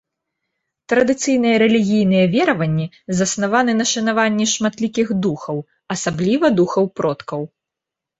Традыцыйныя рэлігійныя вераванні заснаваны на шанаванне шматлікіх духаў, асабліва духаў продкаў.